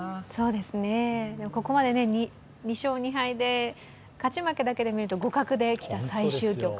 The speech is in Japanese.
ここまで２勝２敗で勝ち負けだけで見ると互角できた最終局。